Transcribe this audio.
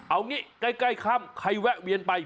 เอางี้ใกล้ค่ำใครแวะเวียนไป